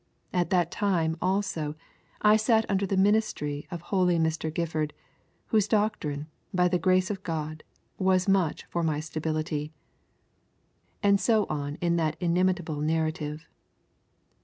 . At that time also I sat under the ministry of holy Mr. Gifford, whose doctrine, by the grace of God, was much for my stability.' And so on in that inimitable narrative.